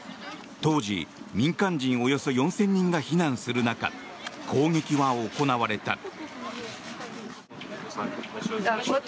当時、民間人およそ４０００人が避難する中攻撃は行われた。